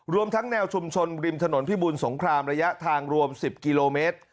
รวมทั้งแนวชุมชนริมถนนพิบูลสงครามระยะทางรวม๑๐กิโลเมตร